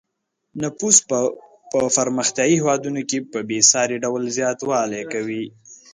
نفوس په پرمختیايي هېوادونو کې په بې ساري ډول زیاتوالی کوي.